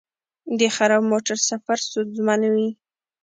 د خراب موټر سفر ستونزمن وي.